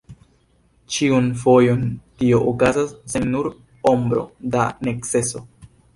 Ĉiun fojon tio okazas sen nur ombro da neceso.